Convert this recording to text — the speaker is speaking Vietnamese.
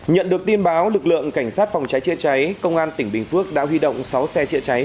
nhận được tin báo lực lượng cảnh sát phòng cháy chữa cháy công an tỉnh bình phước đã huy động sáu xe chữa cháy